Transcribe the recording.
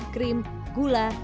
krim gula dan kacang